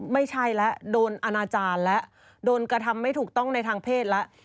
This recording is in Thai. ไม่ใช่แล้วโดนอนาจารย์แล้วโดนกระทำไม่ถูกต้องในทางเพศแล้ว